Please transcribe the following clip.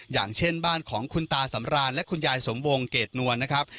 อย่างเช่นบ้านของคุณตาสำรานและคุณยายสมวงเกรดนวลนะครับ